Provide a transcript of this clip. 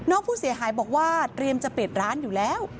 น้องผู้เสียหายบอกว่าเตรียมจะปิดร้านอยู่แล้ว